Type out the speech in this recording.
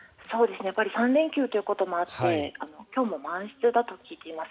３連休ということもあって今日も満室だったと聞いています。